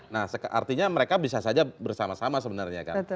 nah artinya mereka bisa saja bersama sama sebenarnya kan